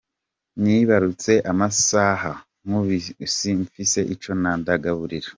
Nibarutse amahasa, nkubu si mfise ico ndayagaburira.